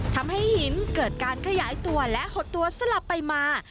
ทำให้หินเกิดการขยายตัวและหดตัวสลับไปมา